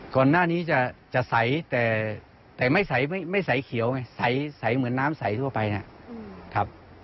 ก่อนหน้านี้จะใสแต่ไม่ใสไม่ใสเขียวไงใสเหมือนน้ำใสทั่วไปนะครับ